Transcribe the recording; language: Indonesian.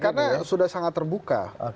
karena sudah sangat terbuka